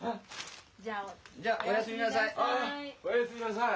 じゃあおやすみなさい。